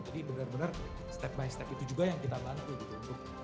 jadi bener bener step by step itu juga yang kita bantu gitu